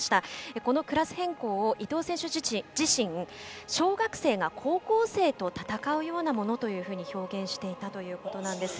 このクラス変更を伊藤選手自身、小学生が高校生と戦うようなものと表現していたということです。